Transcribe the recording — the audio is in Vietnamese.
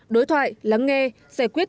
đối thoại lắng nghe giải quyết